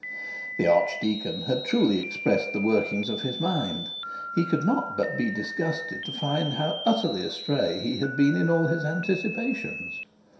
The archdeacon had truly expressed the workings of his mind. He could not but be disgusted to find how utterly astray he had been in all his anticipations.